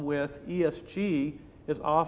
dengan esg yang sering